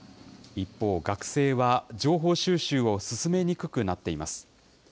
一方、学生は情報収集を進めにくくなっています。